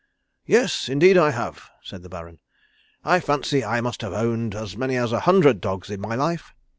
"Yes, indeed I have," said the Baron, "I fancy I must have owned as many as a hundred dogs in my life.